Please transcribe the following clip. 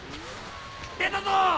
・出たぞ！